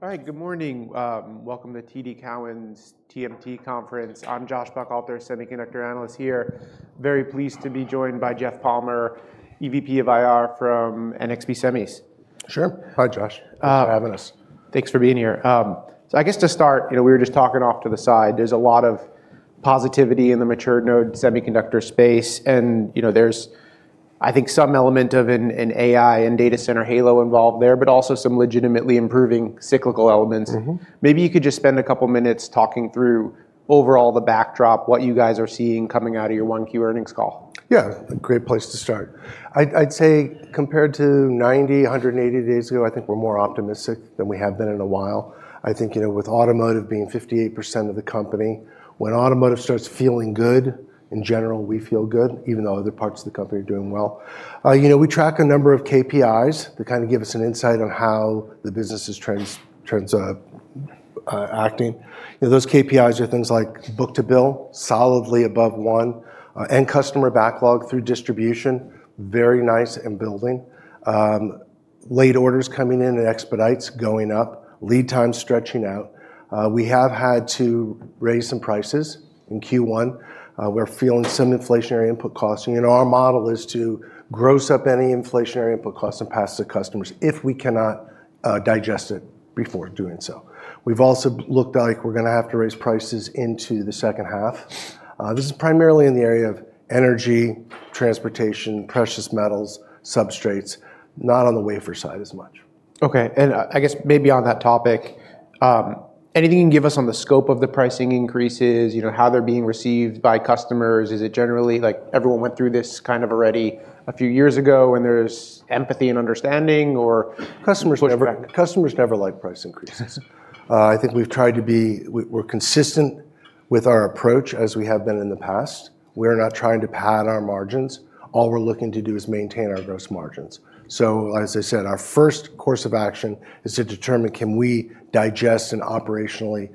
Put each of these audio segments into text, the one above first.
All right. Good morning. Welcome to TD Cowen's Technology, Media & Telecom Conference. I'm Joshua Buchalter, semiconductor analyst here. Very pleased to be joined by Jeff Palmer, EVP of IR from NXP Semis. Sure. Hi, Josh. Wow. Thanks for having us. Thanks for being here. I guess to start, we were just talking off to the side, there's a lot of positivity in the mature node semiconductor space, and there's, I think, some element of an AI and data center halo involved there, but also some legitimately improving cyclical elements. Maybe you could just spend a couple of minutes talking through overall the backdrop, what you guys are seeing coming out of your Q1 earnings call. Yeah. A great place to start. I'd say compared to 90, 180 days ago, I think we're more optimistic than we have been in a while. I think, with automotive being 58% of the company, when automotive starts feeling good, in general, we feel good, even though other parts of the company are doing well. We track a number of KPIs that give us an insight on how the business is trends are acting. Those KPIs are things like book-to-bill, solidly above one, end customer backlog through distribution, very nice and building. Late orders coming in and expedites going up, lead times stretching out. We have had to raise some prices in Q1. We're feeling some inflationary input costing, and our model is to gross up any inflationary input costs and pass to customers if we cannot digest it before doing so. We've also looked like we're going to have to raise prices into the second half. This is primarily in the area of energy, transportation, precious metals, substrates, not on the wafer side as much. Okay. I guess maybe on that topic, anything you can give us on the scope of the pricing increases, how they're being received by customers? Is it generally everyone went through this kind of already a few years ago, and there's empathy and understanding, or pushback? Customers never like price increases. I think we've tried to be. We're consistent with our approach as we have been in the past. We're not trying to pad our margins. All we're looking to do is maintain our gross margins. As I said, our first course of action is to determine can we digest and operationally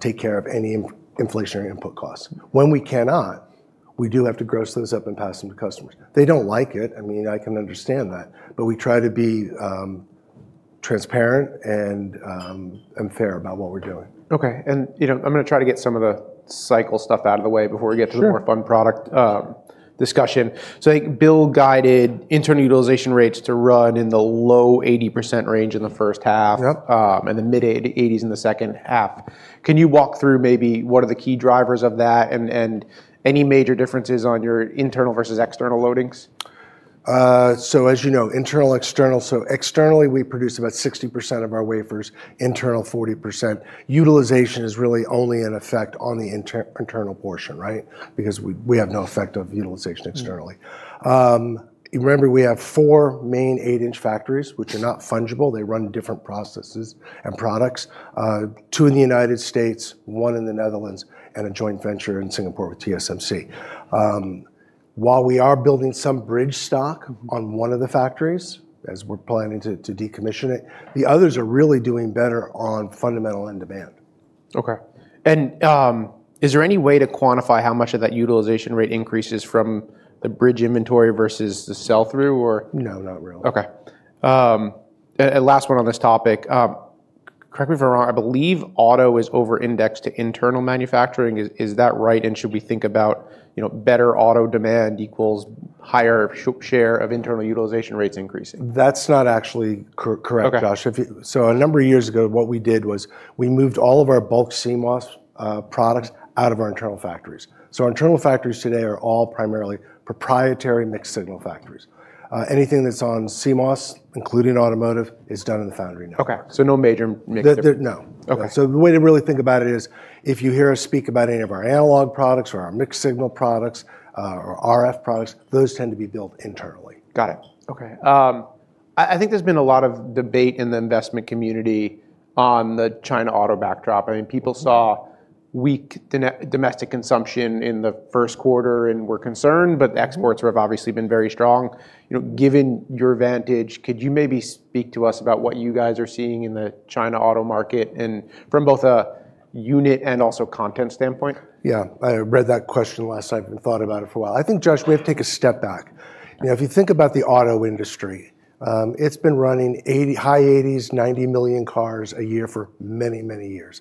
take care of any inflationary input costs. When we cannot, we do have to gross those up and pass them to customers. They don't like it. I can understand that, but we try to be transparent and fair about what we're doing. Okay. I'm going to try to get some of the cycle stuff out of the way before we get to. Sure the more fun product discussion. I think Bill guided internal utilization rates to run in the low 80% range in the first half. Yep The mid-80s in the second half. Can you walk through maybe what are the key drivers of that and any major differences on your internal versus external loadings? As you know, internal, external, so externally, we produce about 60% of our wafers, internal 40%. Utilization is really only in effect on the internal portion, right? Because we have no effect of utilization externally. Remember, we have four main eight-inch factories, which are not fungible. They run different processes and products. Two in the U.S., one in the Netherlands, and a joint venture in Singapore with TSMC. While we are building some bridge stock on one of the factories, as we're planning to decommission it, the others are really doing better on fundamental and demand. Okay. Is there any way to quantify how much of that utilization rate increase is from the bridge inventory versus the sell-through? No, not really. Okay. Last one on this topic. Correct me if I'm wrong, I believe auto is over-indexed to internal manufacturing. Is that right? Should we think about better auto demand equals higher share of internal utilization rates increasing? That's not actually correct, Josh. Okay. A number of years ago, what we did was we moved all of our bulk CMOS products out of our internal factories. Our internal factories today are all primarily proprietary mixed signal factories. Anything that's on CMOS, including automotive, is done in the foundry now. Okay. No. Okay. The way to really think about it is if you hear us speak about any of our analog products or our mixed signal products, or RF products, those tend to be built internally. Got it. Okay. I think there's been a lot of debate in the investment community on the China auto backdrop. People saw weak domestic consumption in the Q1 and were concerned, but exports have obviously been very strong. Given your vantage, could you maybe speak to us about what you guys are seeing in the China auto market and from both a unit and also content standpoint? Yeah. I read that question last night and thought about it for a while. I think, Joshua, we have to take a step back. If you think about the auto industry, it's been running high 80s, 90 million cars a year for many, many years.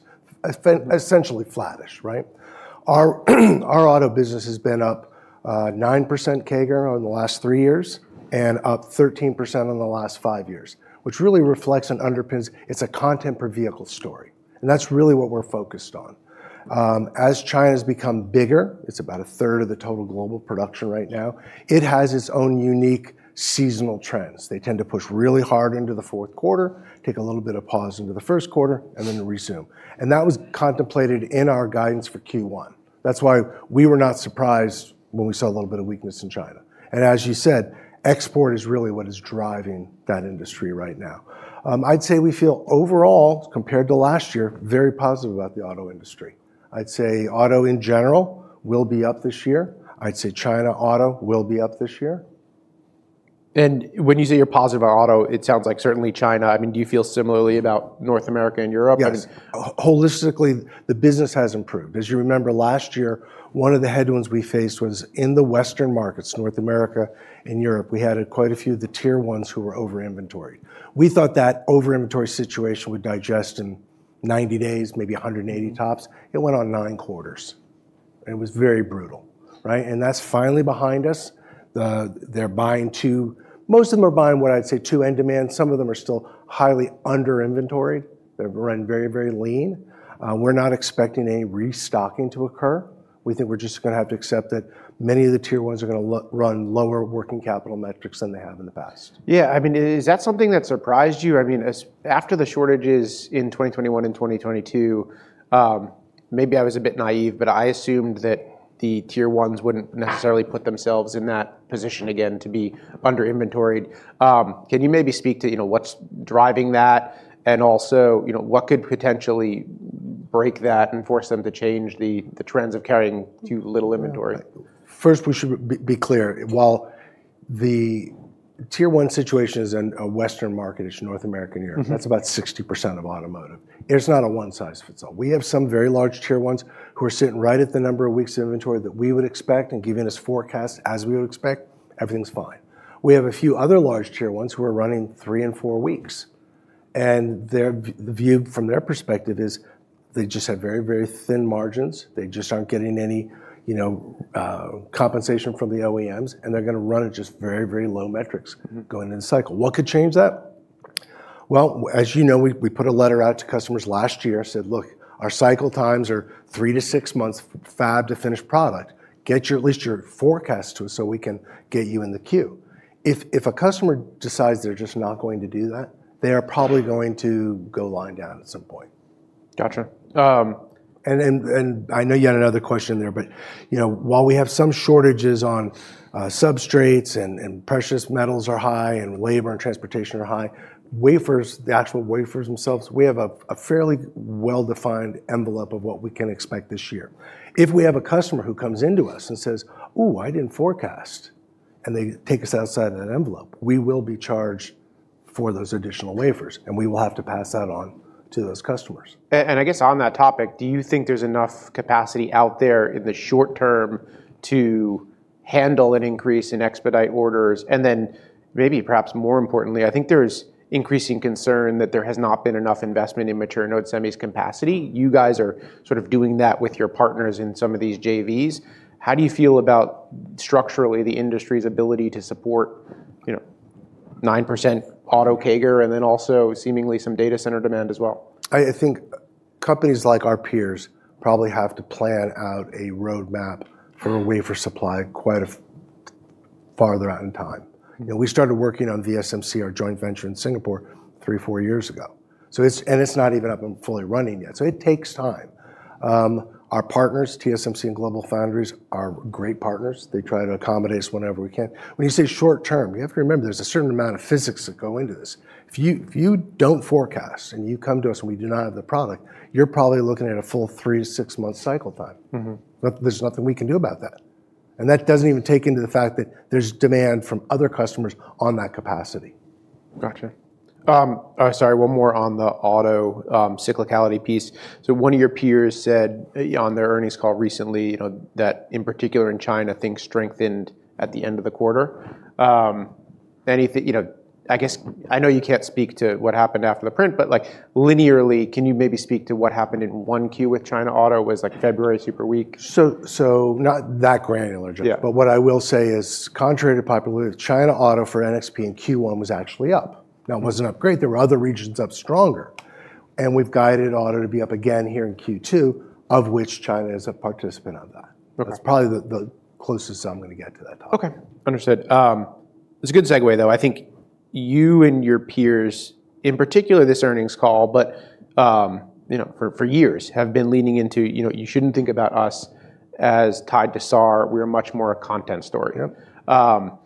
Essentially flattish, right? Our auto business has been up nine percent CAGR over the last three years and up 13% in the last five years, which really reflects and underpins it's a content-per-vehicle story, and that's really what we're focused on. As China's become bigger, it's about a third of the total global production right now, it has its own unique seasonal trends. They tend to push really hard into theQ4, take a little bit of pause into the Q1, and then resume. That was contemplated in our guidance for Q1. That's why we were not surprised when we saw a little bit of weakness in China. As you said, export is really what is driving that industry right now. I'd say we feel overall, compared to last year, very positive about the auto industry. I'd say auto in general will be up this year. I'd say China auto will be up this year. When you say you're positive on auto, it sounds like certainly China. Do you feel similarly about North America and Europe? Yes. Holistically, the business has improved. As you remember, last year, one of the headwinds we faced was in the Western markets, North America and Europe. We had quite a few of the tier ones who were over-inventoried. We thought that over-inventory situation would digest in 90 days, maybe 180 tops. It went on nine quarters. It was very brutal. Right? That's finally behind us. Most of them are buying what I'd say two end demands. Some of them are still highly under-inventoried. They've run very lean. We're not expecting any restocking to occur. We think we're just going to have to accept that many of the tier ones are going to run lower working capital metrics than they have in the past. Yeah. Is that something that surprised you? After the shortages in 2021 and 2022, maybe I was a bit naive, but I assumed that the tier ones wouldn't necessarily put themselves in that position again to be under-inventoried. Can you maybe speak to what's driving that? Also, what could potentially break that and force them to change the trends of carrying too little inventory? First, we should be clear. While the tier one situation is in a Western market, it's North American, Europe. That's about 60% of automotive. It's not a one-size-fits-all. We have some very large tier ones who are sitting right at the number of weeks of inventory that we would expect and giving us forecasts as we would expect, everything's fine. We have a few other large tier ones who are running three and four weeks, and the view from their perspective is they just have very thin margins. They just aren't getting any compensation from the OEMs, and they're going to run at just very low metrics. going into the cycle. What could change that? Well, as you know, we put a letter out to customers last year, said, "Look, our cycle times are three to six months fab to finished product. Get at least your forecast to us so we can get you in the queue." If a customer decides they're just not going to do that, they are probably going to go lying down at some point. Got you. I know you had another question there, but while we have some shortages on substrates and precious metals are high, and labor and transportation are high, wafers, the actual wafers themselves, we have a fairly well-defined envelope of what we can expect this year. If we have a customer who comes into us and says, "Oh, I didn't forecast," and they take us outside of that envelope, we will be charged for those additional wafers, and we will have to pass that on to those customers. I guess on that topic, do you think there's enough capacity out there in the short term to handle an increase in expedite orders? Maybe, perhaps more importantly, I think there's increasing concern that there has not been enough investment in mature node semis capacity. You guys are sort of doing that with your partners in some of these JVs. How do you feel about structurally the industry's ability to support nine percent auto CAGR and then also seemingly some data center demand as well? I think companies like our peers probably have to plan out a roadmap for wafer supply quite farther out in time. We started working on VSMC, our joint venture in Singapore, three, four years ago, and it's not even up and fully running yet. It takes time. Our partners, TSMC and GlobalFoundries, are great partners. They try to accommodate us whenever we can. When you say short term, you have to remember there's a certain amount of physics that go into this. If you don't forecast and you come to us and we do not have the product, you're probably looking at a full three - six month cycle time. There's nothing we can do about that. That doesn't even take into the fact that there's demand from other customers on that capacity. Got you. Sorry, one more on the auto cyclicality piece. One of your peers said on their earnings call recently that in particular in China, things strengthened at the end of the quarter. I know you can't speak to what happened after the print, but linearly, can you maybe speak to what happened in 1Q with China Auto? Was February super weak? Not that granular, Josh. Yeah. What I will say is, contrary to popular, China auto for NXP in Q1 was actually up. It wasn't up great. There were other regions up stronger, and we've guided auto to be up again here in Q2, of which China is a participant of that. Okay. That's probably the closest I'm going to get to that topic. Okay. Understood. It's a good segue, though. I think you and your peers, in particular this earnings call, but for years have been leaning into, "You shouldn't think about us as tied to SAAR. We're much more a content store. Yep.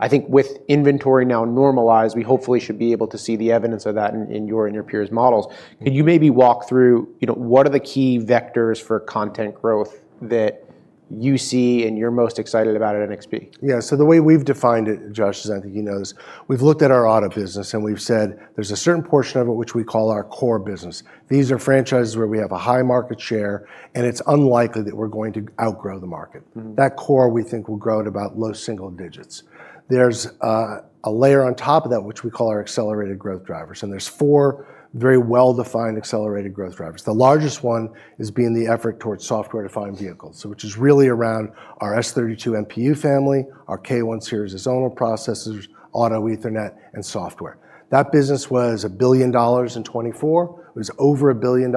I think with inventory now normalized, we hopefully should be able to see the evidence of that in your and your peers' models. Could you maybe walk through what are the key vectors for content growth that you see and you're most excited about at NXP? Yeah. The way we've defined it, Josh, as I think you know this, we've looked at our auto business and we've said there's a certain portion of it, which we call our core business. These are franchises where we have a high market share, and it's unlikely that we're going to outgrow the market. That core we think will grow at about low single digits. There's a layer on top of that, which we call our accelerated growth drivers. There's four very well-defined accelerated growth drivers. The largest one is being the effort towards software-defined vehicles. Which is really around our S32 MPU family, our K1 series zonal processors, auto Ethernet, and software. That business was $1 billion in 2024. It was over $1 billion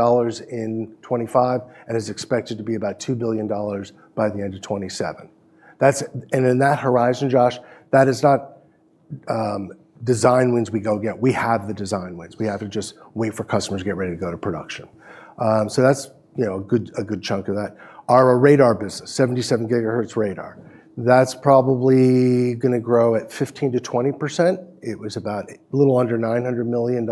in 2025 and is expected to be about $2 billion by the end of 2027. In that horizon, Josh, that is not design wins we go get. We have the design wins. We have to just wait for customers to get ready to go to production. That's a good chunk of that. Our radar business, 77 GHz radar, that's probably going to grow at 15%-20%. It was about a little under $900 million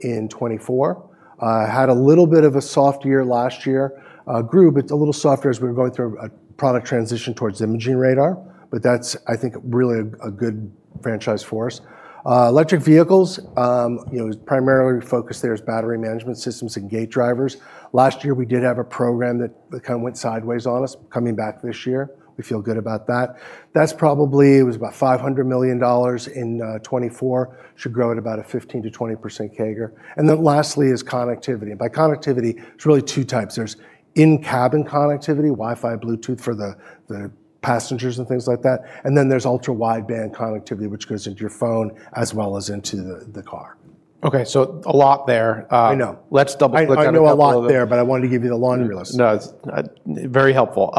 in 2024. Had a little bit of a soft year last year. Grew, but it's a little softer as we were going through a product transition towards imaging radar, but that's, I think, really a good franchise for us. Electric vehicles, primarily focus there is battery management systems and gate drivers. Last year, we did have a program that kind of went sideways on us. Coming back this year, we feel good about that. That's probably, it was about $500 million in 2024. Should grow at about a 15%-20% CAGR. Lastly is connectivity, and by connectivity, it's really two types. There's in-cabin connectivity, Wi-Fi, Bluetooth for the passengers and things like that. There's ultra-wideband connectivity, which goes into your phone as well as into the car. Okay, a lot there. I know. Let's double-click on- I know a lot there, but I wanted to give you the laundry list. No, it's very helpful.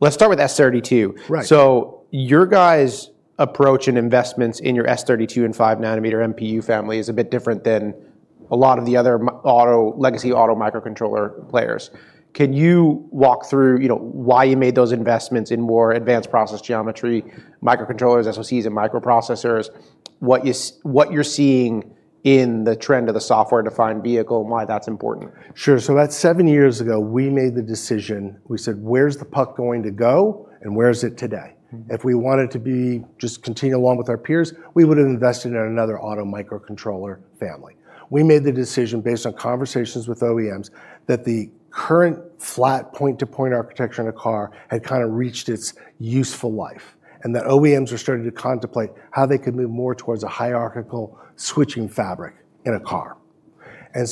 Let's start with S32. Right. Your guys' approach in investments in your S32 and five-nanometer MPU family is a bit different than a lot of the other legacy auto microcontroller players. Can you walk through why you made those investments in more advanced process geometry, microcontrollers, SOCs, and microprocessors, what you're seeing in the trend of the software-defined vehicle, and why that's important? Sure. About seven years ago, we made the decision. We said, "Where's the puck going to go, and where is it today?" If we wanted to just continue along with our peers, we would've invested in another auto microcontroller family. We made the decision based on conversations with OEMs that the current flat point-to-point architecture in a car had kind of reached its useful life, and that OEMs were starting to contemplate how they could move more towards a hierarchical switching fabric in a car.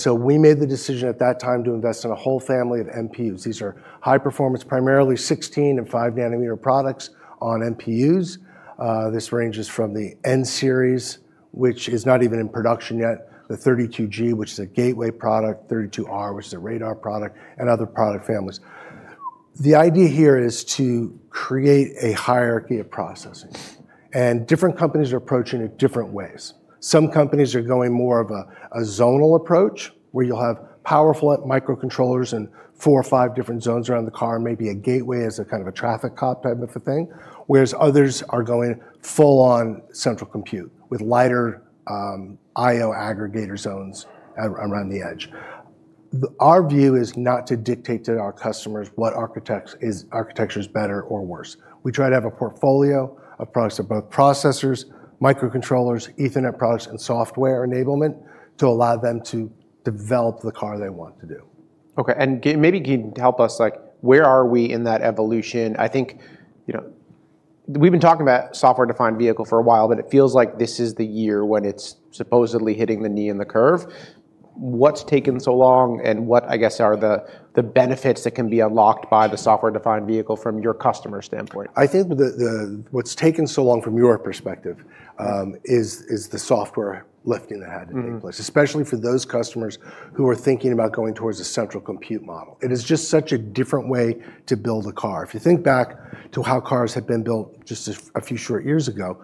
We made the decision at that time to invest in a whole family of MPUs. These are high-performance, primarily 16 and five-nanometer products on MPUs. This ranges from the S32N series, which is not even in production yet, the S32G, which is a gateway product, S32R, which is a radar product, and other product families. The idea here is to create a hierarchy of processing, and different companies are approaching it different ways. Some companies are going more of a zonal approach, where you'll have powerful microcontrollers in four or five different zones around the car, and maybe a gateway as a kind of a traffic cop type of a thing, whereas others are going full-on central compute with lighter IO aggregator zones around the edge. Our view is not to dictate to our customers what architecture is better or worse. We try to have a portfolio of products of both processors, microcontrollers, ethernet products, and software enablement to allow them to develop the car they want to do. Okay. Maybe can you help us, where are we in that evolution? I think we've been talking about software-defined vehicle for a while, but it feels like this is the year when it's supposedly hitting the knee in the curve. What's taken so long, and what, I guess, are the benefits that can be unlocked by the software-defined vehicle from your customer standpoint? I think what's taken so long from your perspective is the software lifting that had to take place, especially for those customers who are thinking about going towards a central compute model. It is just such a different way to build a car. If you think back to how cars had been built just a few short years ago,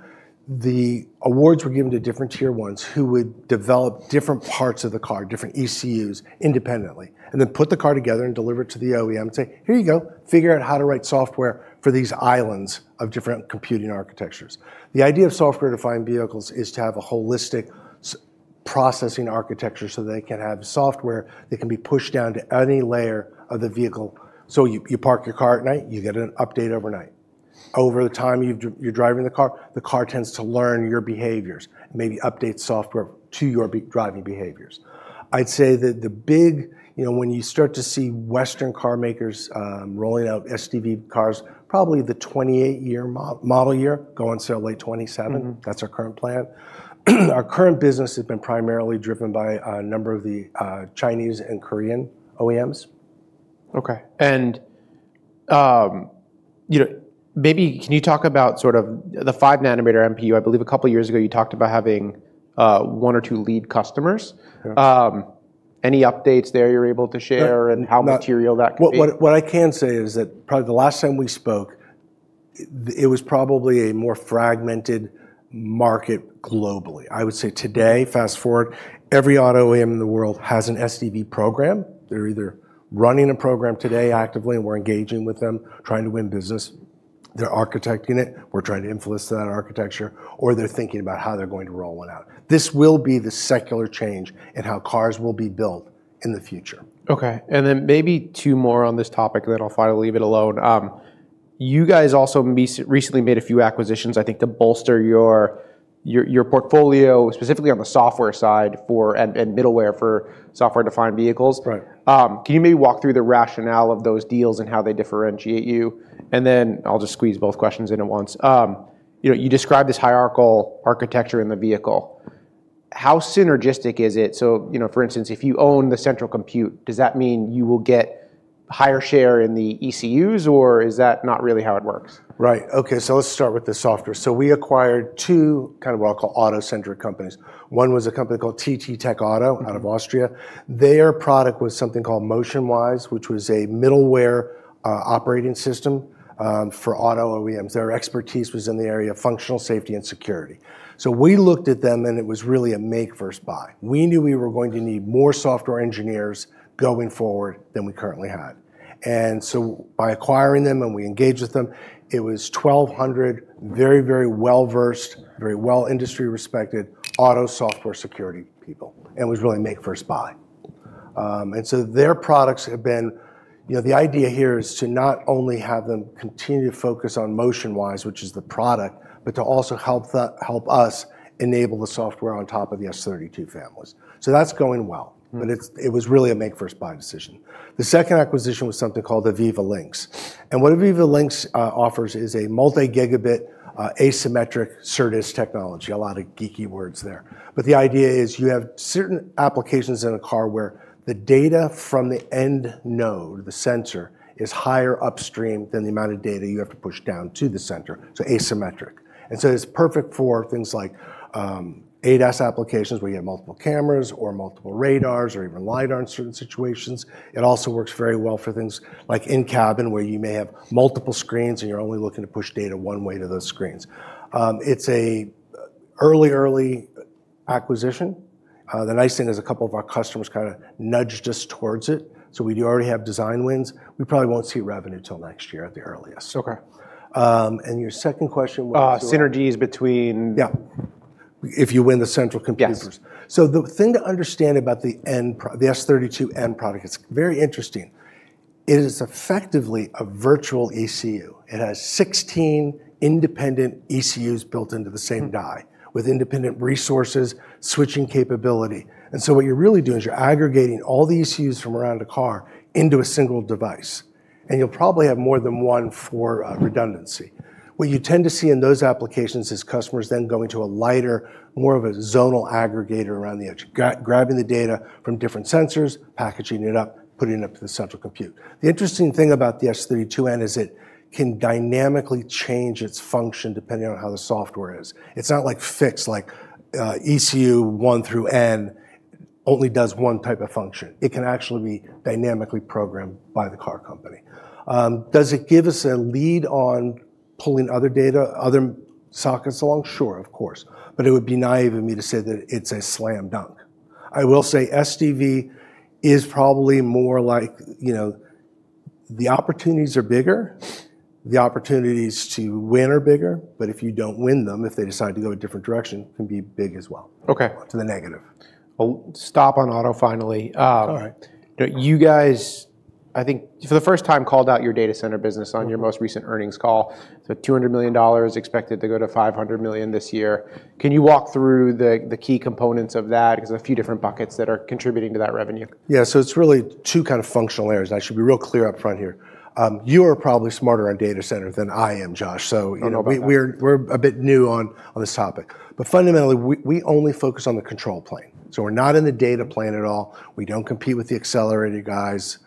the awards were given to different tier ones who would develop different parts of the car, different ECUs independently, and then put the car together and deliver it to the OEM and say, "Here you go. Figure out how to write software for these islands of different computing architectures." The idea of software-defined vehicles is to have a holistic processing architecture so they can have software that can be pushed down to any layer of the vehicle. You park your car at night, you get an update overnight. Over the time you're driving the car, the car tends to learn your behaviors, maybe update software to your driving behaviors. I'd say that when you start to see Western car makers rolling out SDV cars, probably the 2028 model year, go on sale late 2027. That's our current plan. Our current business has been primarily driven by a number of the Chinese and Korean OEMs. Okay. Maybe can you talk about the five-nanometer MPU? I believe a couple of years ago you talked about having one or two lead customers. Yeah. Any updates there you're able to share? No how material that could be? What I can say is that probably the last time we spoke, it was probably a more fragmented market globally. I would say today, fast-forward, every auto OEM in the world has an SDV program. They're either running a program today actively, and we're engaging with them trying to win business. They're architecting it. We're trying to influence that architecture or they're thinking about how they're going to roll one out. This will be the secular change in how cars will be built in the future. Okay. Maybe two more on this topic, then I'll finally leave it alone. You guys also recently made a few acquisitions, I think, to bolster your portfolio, specifically on the software side and middleware for software-defined vehicles. Right. Can you maybe walk through the rationale of those deals and how they differentiate you? Then I'll just squeeze both questions in at once. You described this hierarchical architecture in the vehicle. How synergistic is it? For instance, if you own the central compute, does that mean you will get higher share in the ECUs, or is that not really how it works? Right. Okay, let's start with the software. We acquired two kind of what I'll call auto-centric companies. One was a company called TTTech Auto out of Austria. Their product was something called MotionWise, which was a middleware operating system for auto OEMs. Their expertise was in the area of functional safety and security. We looked at them, and it was really a make versus buy. We knew we were going to need more software engineers going forward than we currently had. By acquiring them and we engaged with them, it was 1,200 very, very well-versed, very well industry-respected auto software security people, and was really make versus buy. The idea here is to not only have them continue to focus on MotionWise, which is the product, but to also help us enable the software on top of the S32 families. That's going well. It was really a make versus buy decision. The second acquisition was something called Aviva Links. What Aviva Links offers is a multi-gigabit asymmetric SerDes technology. A lot of geeky words there. The idea is you have certain applications in a car where the data from the end node, the sensor, is higher upstream than the amount of data you have to push down to the center, so asymmetric. It's perfect for things like ADAS applications where you have multiple cameras or multiple radars or even lidar in certain situations. It also works very well for things like in-cabin, where you may have multiple screens and you're only looking to push data one way to those screens. Early acquisition. The nice thing is a couple of our customers kind of nudged us towards it, so we do already have design wins. We probably won't see revenue till next year at the earliest. Okay. Your second question was? Synergies between- Yeah. If you win the central computers. Yes. The thing to understand about the S32N product, it is very interesting. It is effectively a virtual ECU. It has 16 independent ECUs built into the same die, with independent resources, switching capability. What you are really doing is you are aggregating all the ECUs from around a car into a single device, and you will probably have more than one for redundancy. What you tend to see in those applications is customers then going to a lighter, more of a zonal aggregator around the edge, grabbing the data from different sensors, packaging it up, putting it up to the central compute. The interesting thing about the S32N is it can dynamically change its function depending on how the software is. It is not fixed like ECU one through N only does one type of function. It can actually be dynamically programmed by the car company. Does it give us a lead on pulling other data, other sockets along? Sure, of course. It would be naive of me to say that it's a slam dunk. I will say SDV is probably more like the opportunities are bigger, the opportunities to win are bigger, but if you don't win them, if they decide to go a different direction, it can be big as well. Okay to the negative. I'll stop on auto, finally. It's all right. You guys, I think for the first time, called out your data center business on your most recent earnings call. $200 million, expected to go to $500 million this year. Can you walk through the key components of that? There's a few different buckets that are contributing to that revenue. Yeah. It's really two kind of functional areas. I should be real clear up front here. You are probably smarter on data center than I am, Josh. I don't know about that. We're a bit new on this topic. Fundamentally, we only focus on the control plane. We're not in the data plane at all. We don't compete with the accelerator guys.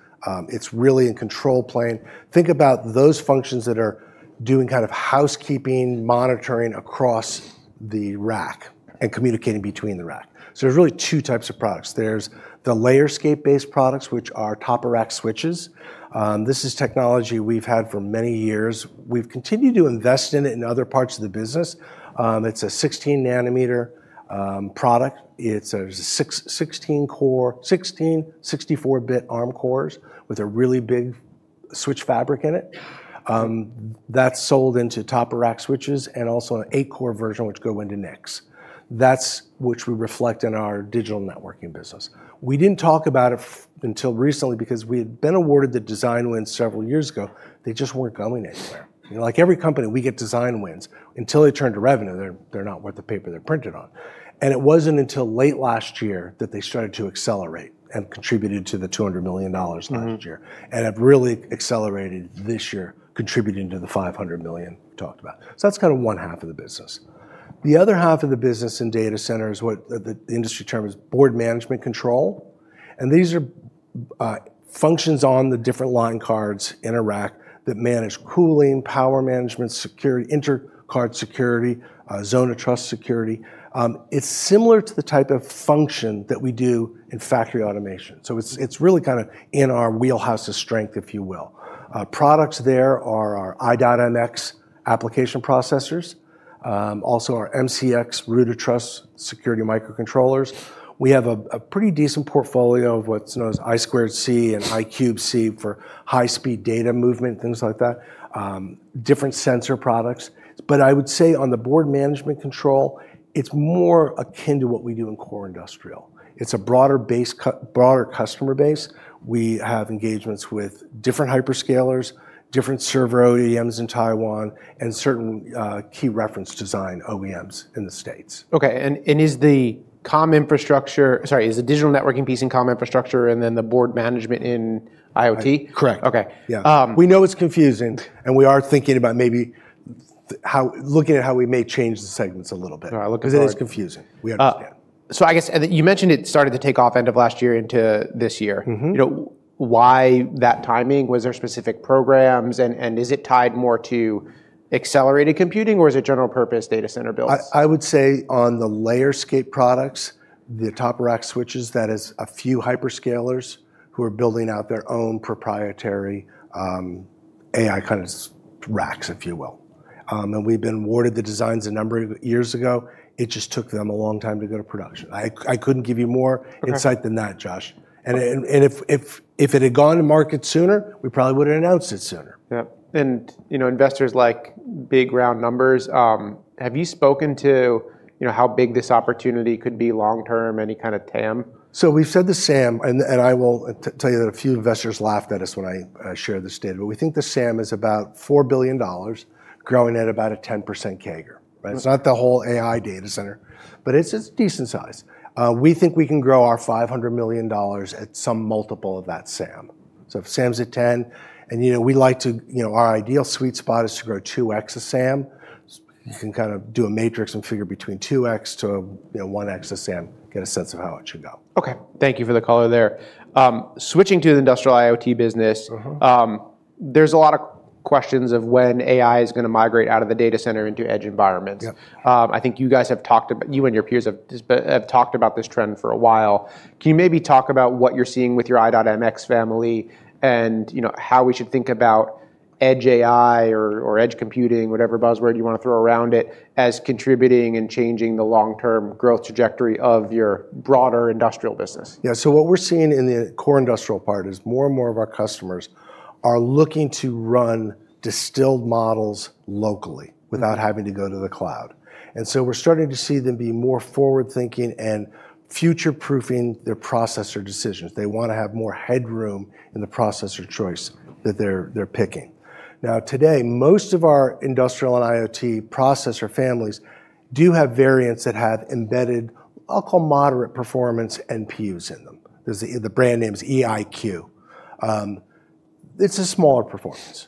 It's really in control plane. Think about those functions that are doing kind of housekeeping monitoring across the rack and communicating between the rack. There's really two types of products. There's the Layerscape-based products, which are top-of-rack switches. This is technology we've had for many years. We've continued to invest in it in other parts of the business. It's a 16 nanometer product. It's a 16-core, 16 64-bit Arm cores with a really big switch fabric in it. That's sold into top-of-rack switches and also an eight-core version, which go into NICs. That's which we reflect in our digital networking business. We didn't talk about it until recently because we had been awarded the design win several years ago. They just weren't going anywhere. Like every company, we get design wins. Until they turn to revenue, they're not worth the paper they're printed on. It wasn't until late last year that they started to accelerate and contributed to the $200 million last year, and have really accelerated this year, contributing to the $500 million we talked about. That's kind of one half of the business. The other half of the business in data center is what the industry terms board management control, and these are functions on the different line cards in a rack that manage cooling, power management, security, inter-card security, zone-of-trust security. It's similar to the type of function that we do in factory automation. It's really kind of in our wheelhouse of strength, if you will. Products there are our i.MX application processors, also our MCX root-of-trust security microcontrollers. We have a pretty decent portfolio of what's known as I2C and I3C for high-speed data movement, things like that. Different sensor products. I would say on the board management control, it's more akin to what we do in core industrial. It's a broader customer base. We have engagements with different hyperscalers, different server OEMs in Taiwan, and certain key reference design OEMs in the U.S. Okay. Is the digital networking piece in comm infrastructure and then the board management in IoT? Correct. Okay. Yeah. We know it's confusing, and we are thinking about maybe looking at how we may change the segments a little bit. All right. I'll look out for it. because it is confusing. We understand. I guess, you mentioned it started to take off end of last year into this year. Why that timing? Was there specific programs? Is it tied more to accelerated computing, or is it general purpose data center builds? I would say on the Layerscape products, the top-of-rack switches, that is a few hyperscalers who are building out their own proprietary AI kind of racks, if you will. We've been awarded the designs a number of years ago. It just took them a long time to go to production. I couldn't give you more insight than that, Josh. Okay. If it had gone to market sooner, we probably would've announced it sooner. Yep. Investors like big, round numbers. Have you spoken to how big this opportunity could be long term, any kind of TAM? We've said the SAM, and I will tell you that a few investors laughed at us when I shared this data, but we think the SAM is about $4 billion growing at about a 10% CAGR. Right? It's not the whole AI data center, but it's a decent size. We think we can grow our $500 million at some multiple of that SAM. If SAM's at 10, and our ideal sweet spot is to grow 2x of SAM. You can kind of do a matrix and figure between 2x - 1x of SAM, get a sense of how it should go. Okay. Thank you for the color there. Switching to the industrial IoT business. There's a lot of questions of when AI is going to migrate out of the data center into edge environments. Yeah. I think you and your peers have talked about this trend for a while. Can you maybe talk about what you're seeing with your i.MX family and how we should think about edge AI or edge computing, whatever buzzword you want to throw around it, as contributing and changing the long-term growth trajectory of your broader industrial business? Yeah. What we're seeing in the core industrial part is more and more of our customers are looking to run distilled models locally without having to go to the cloud. We're starting to see them be more forward-thinking and future-proofing their processor decisions. They want to have more headroom in the processor choice that they're picking. Now, today, most of our industrial and IoT processor families do have variants that have embedded, I'll call, moderate performance NPUs in them. The brand name's eIQ. It's a smaller performance.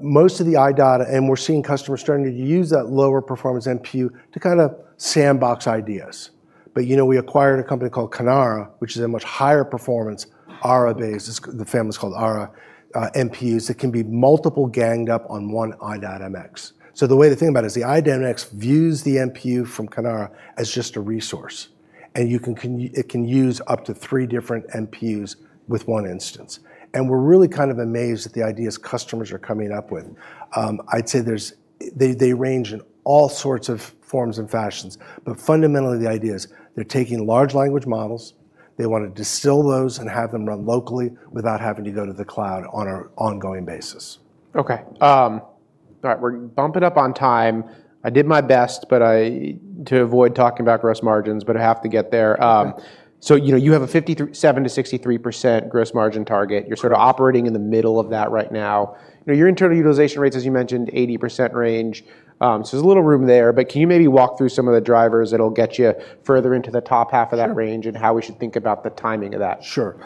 Most of the i.MX, and we're seeing customers starting to use that lower performance NPU to kind of sandbox ideas. We acquired a company called Kinara, which is a much higher performance Ara-based, the family's called Ara, NPUs, that can be multiple ganged up on one i.MX. The way to think about it is the i.MX views the NPU from Kinara as just a resource, and it can use up to three different NPUs with one instance. We're really kind of amazed at the ideas customers are coming up with. I'd say they range in all sorts of forms and fashions. Fundamentally, the idea is they're taking large language models, they want to distill those and have them run locally without having to go to the cloud on an ongoing basis. Okay. All right. We're bumping up on time. I did my best to avoid talking about gross margins, but I have to get there. Okay. You have a 57%-63% gross margin target. You're sort of operating in the middle of that right now. Your internal utilization rates, as you mentioned, 80% range. There's a little room there, but can you maybe walk through some of the drivers that'll get you further into the top half of that range? Sure How we should think about the timing of that? Sure.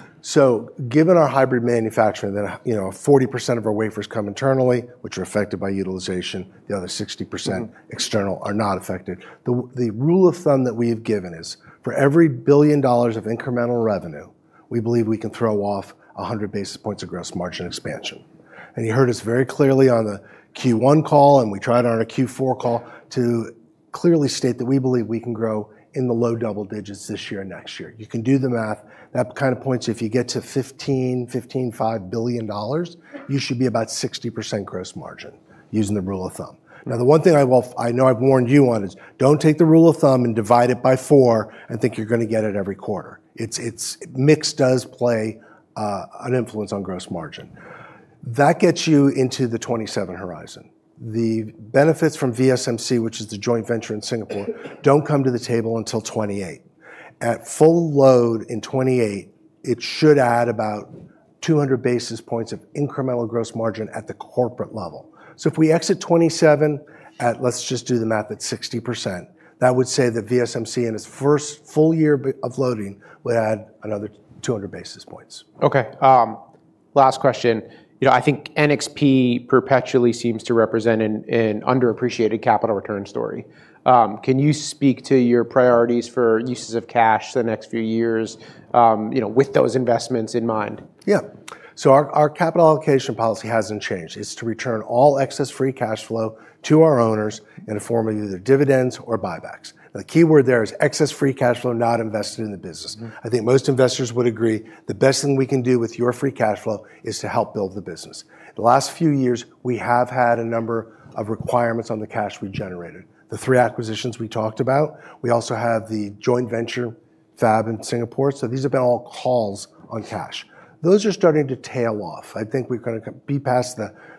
Given our hybrid manufacturing that 40% of our wafers come internally, which are affected by utilization, the other 60%. external are not affected. The rule of thumb that we've given is for every $1 billion of incremental revenue, we believe we can throw off 100 basis points of gross margin expansion. You heard us very clearly on the Q1 call, and we tried on our Q4 call to clearly state that we believe we can grow in the low double digits this year and next year. You can do the math. That kind of points, if you get to $15 billion-$15.5 billion, you should be about 60% gross margin using the rule of thumb. The one thing I know I've warned you on is don't take the rule of thumb and divide it by four and think you're going to get it every quarter. Mix does play an influence on gross margin. That gets you into the 2027 horizon. The benefits from VSMC, which is the joint venture in Singapore, don't come to the table until 2028. At full load in 2028, it should add about 200 basis points of incremental gross margin at the corporate level. If we exit 2027 at, let's just do the math, at 60%, that would say that VSMC in its first full year of loading would add another 200 basis points. Okay. Last question. I think NXP perpetually seems to represent an underappreciated capital return story. Can you speak to your priorities for uses of cash the next few years with those investments in mind? Yeah. Our capital allocation policy hasn't changed. It's to return all excess free cash flow to our owners in the form of either dividends or buybacks. Now, the key word there is excess free cash flow not invested in the business. I think most investors would agree the best thing we can do with your free cash flow is to help build the business. The last few years, we have had a number of requirements on the cash we generated, the three acquisitions we talked about. We also have the joint venture fab in Singapore. These have been all calls on cash. Those are starting to tail off. I think we're going to be past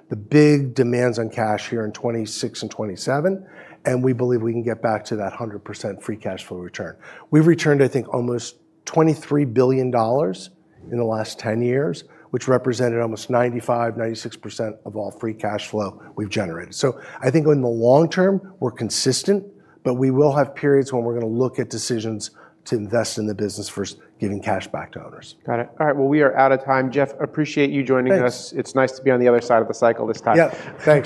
the big demands on cash here in 2026 and 2027, and we believe we can get back to that 100% free cash flow return. We've returned, I think, almost $23 billion in the last 10 years, which represented almost 95%, 96% of all free cash flow we've generated. I think in the long term, we're consistent, but we will have periods when we're going to look at decisions to invest in the business first, giving cash back to owners. Got it. All right. We are out of time. Jeff, appreciate you joining us. Thanks. It's nice to be on the other side of the cycle this time. Yeah. Thanks.